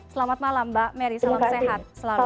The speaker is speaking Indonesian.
selamat malam mbak mary salam sehat selalu